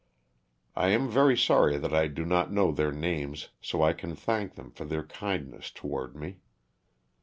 I am very sorry that I do not know their names so I can thank them for their kindness toward me.